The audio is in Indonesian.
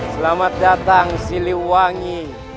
selamat datang siliwangi